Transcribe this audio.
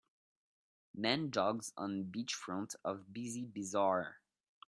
Man jogs on beachfront of busy bizarre